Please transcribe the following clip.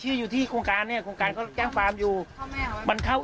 เข้ามาข้าวันข้าวันข้าวันข้าวันข้าวันข้าวันข้าวัน